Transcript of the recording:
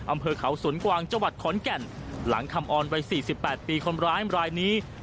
อำเภอเขาสวนกวางจวัดขอนแก่นหลังคำออนวัย๔๘ปีคนร้ายอำราษณีย์